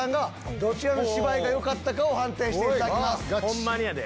ホンマにやで。